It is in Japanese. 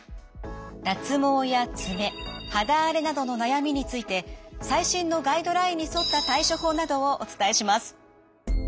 脱毛や爪肌荒れなどの悩みについて最新のガイドラインに沿った対処法などをお伝えします。